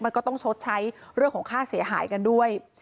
มันก็ต้องชดใช้เรื่องของค่าเสียหายกันด้วย